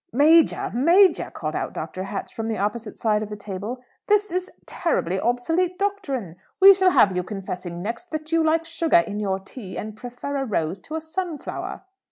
"Major, Major," called out Dr. Hatch from the opposite side of the table, "this is terribly obsolete doctrine! We shall have you confessing next that you like sugar in your tea, and prefer a rose to a sunflower!"